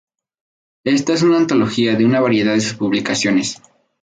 Esta es una antología de una variedad de sus publicaciones.